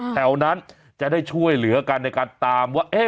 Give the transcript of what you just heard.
แถวนั้นจะได้ช่วยเหลือกันในการตามว่า